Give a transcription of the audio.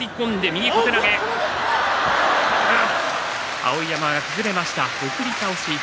碧山が崩れました送り倒し。